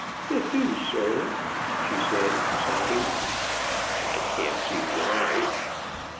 "It do, sir," she said, sobbing. "I can't see why."